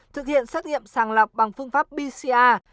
thực hiện xét nghiệm sàng lọc bằng phương pháp bca